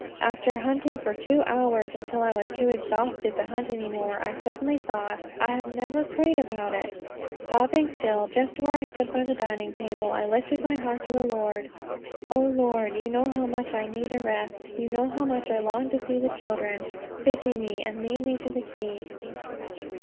After hunting for two hours, until I was too exhausted to hunt any more, I suddenly thought, "I have never prayed about it." Stopping still just where I stood by the dining table, I lifted my heart to the Lord. "O Lord, you know how much I need a rest; you know how much I long to see the children; pity me, and lead me to the key."